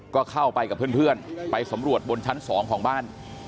ก็เข้าไปกับเพื่อนไปสำรวจบนชั้น๒ของบ้าน